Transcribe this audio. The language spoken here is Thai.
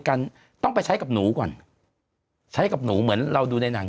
ก็ลงกับสัตว์นั้นแหละ